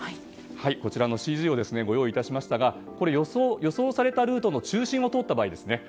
こちらのＣＧをご用意いたしましたがこれは予想されたルートの中心を通った場合です。